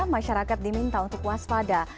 masyarakat diminta untuk waspada